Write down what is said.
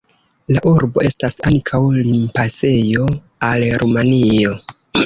La urbo estas ankaŭ limpasejo al Rumanio.